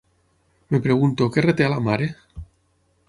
Em pregunto què reté a la mare?